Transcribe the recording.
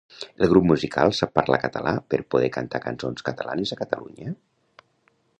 El grup musical sap parlar català per poder cantar cançons catalanes a Catalunya?